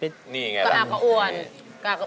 เพลงที่เจ็ดเพลงที่แปดแล้วมันจะบีบหัวใจมากกว่านี้